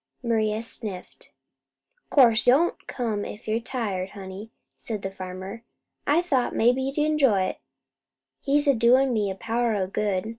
Maria sniffed. "Course, don't come if you're tired, honey," said the farmer. "I thought maybe you'd enjoy it. He's a doin' me a power o' good.